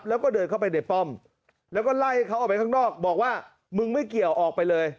แล้วก็เดินเข้าไปในป้อมแล้วก็ไล่ให้เขาออกไปข้างนอกบอกว่ามึงไม่เกี่ยวออกไปเลย